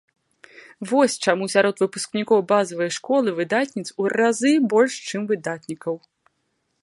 Вось чаму сярод выпускнікоў базавай школы выдатніц у разы больш, чым выдатнікаў.